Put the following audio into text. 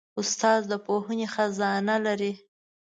استاد د پوهې خزانه لري.